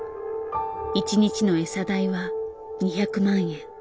１日の餌代は２００万円。